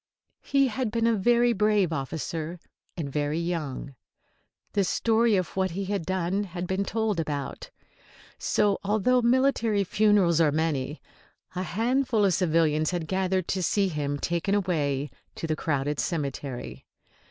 He had been a very brave officer, and very young. The story of what he had done had been told about. So, although military funerals are many, a handful of civilians had gathered to see him taken away to the crowded cemetery.